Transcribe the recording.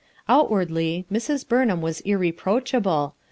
Outwardly Mrs. Buxnham was irreproachable.